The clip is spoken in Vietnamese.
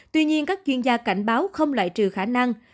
tuy nhiên các chuyên gia cảnh báo không lại trừ khả năng